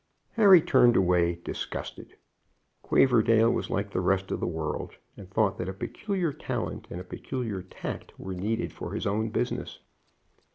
Harry turned away disgusted. Quaverdale was like the rest of the world, and thought that a peculiar talent and a peculiar tact were needed for his own business.